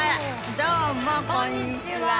どうもこんにちは。